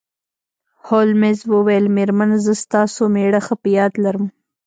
هولمز وویل میرمن زه ستاسو میړه ښه په یاد لرم